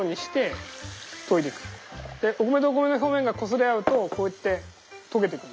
でお米とお米の表面がこすれ合うとこうやってとげてくる。